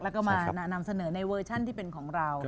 แล้วก็มานำเสนอในเวอร์ชั่นที่เป็นของเรา